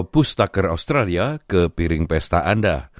pustakar australia ke piring pesta anda